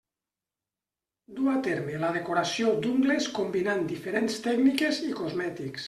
Duu a terme la decoració d'ungles combinant diferents tècniques i cosmètics.